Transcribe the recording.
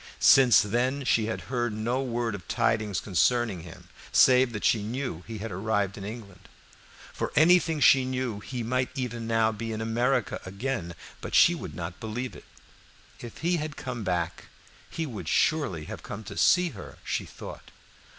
Since then she had heard no word of tidings concerning him, save that she knew he had arrived in England. For anything she knew he might even now be in America again, but she would not believe it. If he had come back he would surely have come to see her, she thought.